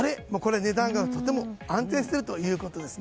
値段がとても安定しているということですね。